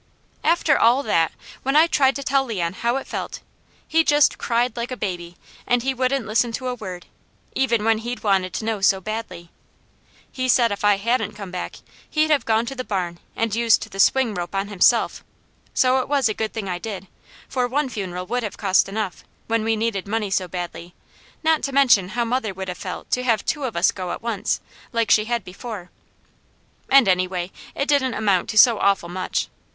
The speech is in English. After all that, when I tried to tell Leon how it felt, he just cried like a baby, and he wouldn't listen to a word, even when he'd wanted to know so badly. He said if I hadn't come back, he'd have gone to the barn and used the swing rope on himself, so it was a good thing I did, for one funeral would have cost enough, when we needed money so badly, not to mention how mother would have felt to have two of us go at once, like she had before. And anyway, it didn't amount to so awful much.